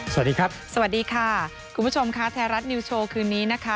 สวัสดีครับสวัสดีค่ะคุณผู้ชมค่ะไทยรัฐนิวโชว์คืนนี้นะคะ